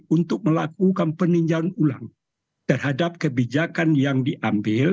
untuk melakukan peninjauan ulang terhadap kebijakan yang diambil